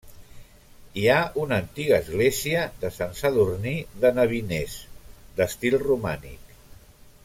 Hi ha una antiga església de Sant Sadurní de Nabiners d'estil romànic.